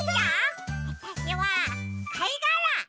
わたしはかいがら！